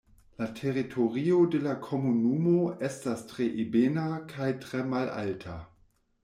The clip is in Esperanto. La teritorio de la komunumo estas tre ebena kaj tre malalta.